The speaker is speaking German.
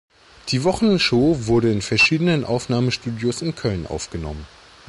Die Wochenshow wurde in verschiedenen Aufnahmestudios in Köln aufgenommen.